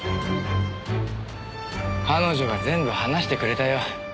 彼女が全部話してくれたよ。